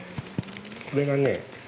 これがね